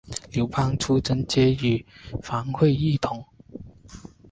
刘邦出征皆与樊哙一同。